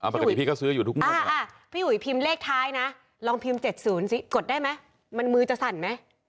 ปกติพี่ก็ซื้ออยู่ทุกวันพี่อุ๋ยพิมพ์เลขท้ายนะลองพิมพ์๗๐สิกดได้ไหมมันมือจะสั่นไหม